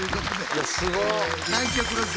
いやすごっ！